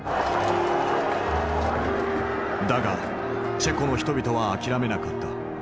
だがチェコの人々は諦めなかった。